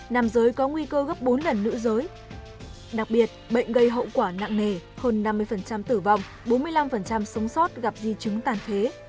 nam giới có nguy cơ gấp bốn lần nữ giới đặc biệt bệnh gây hậu quả nặng nề hơn năm mươi tử vong bốn mươi năm sống sót gặp di chứng tàn phế